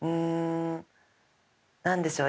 何でしょう？